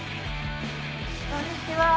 こんにちは。